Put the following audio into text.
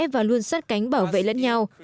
và luôn sát cánh bảo vệ lẫn nhau